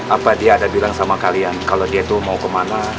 apa dia ada bilang sama kalian kalau dia itu mau kemana